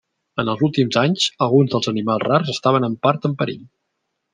En els últims anys, alguns dels animals rars estaven en part en perill.